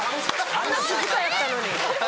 あんな静かやったのに。